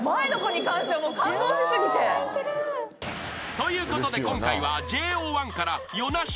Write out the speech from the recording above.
［ということで今回はＪＯ１から與那城。